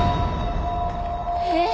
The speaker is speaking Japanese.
えっ？